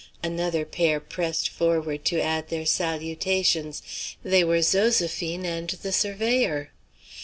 Another pair pressed forward to add their salutations. They were Zoséphine and the surveyor.